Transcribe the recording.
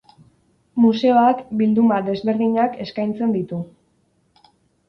Museoak bilduma desberdinak eskaintzen ditu.